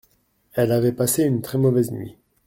Elle avait passé une très mauvaise nuit.